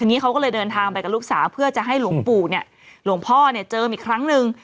ทีนี้เขาก็เลยเดินทางไปกับลูกสาวเพื่อจะให้หลวงปู่เนี่ยหลวงพ่อเนี่ยเจิมอีกครั้งหนึ่ง